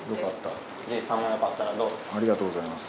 ありがとうございます。